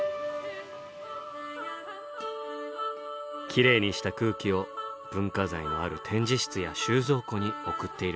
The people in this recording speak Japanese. きれいにした空気を文化財のある展示室や収蔵庫に送っているのです。